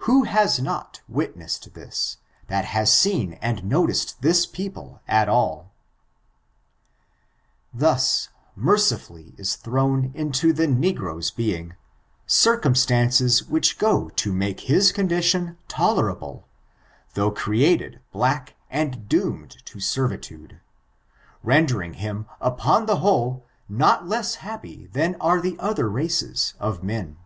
Who has not wit nessed this, that has seen and noticed this people at all? ^^^#^^^^^^^^k^k^h^ FORTUKESy OF THE NEGRO RACE. 396 Thus mercifully is thrown into the negro's being, circumstances which go to make his condition toler able, though created black and doomed to servitude, rendering him, upon the whole, not less happy than are the other races of men.